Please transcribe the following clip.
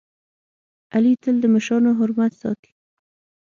علي تل د مشرانو حرمت ساتي.